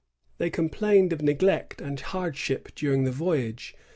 They complained of neglect and hardship during the voyage.